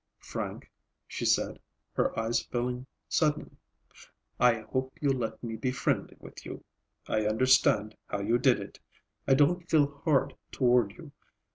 "Frank," she said, her eyes filling suddenly, "I hope you'll let me be friendly with you. I understand how you did it. I don't feel hard toward you.